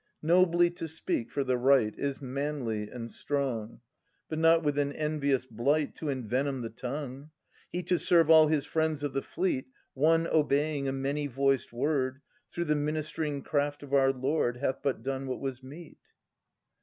Nobly to speak for the right Is manly and strong ; But not with an envious blight To envenom the tongue; He to serve all his friends of the fleet, One obeying a many voiced word, Through the minisfring craft of our lord Hath but done what was meet.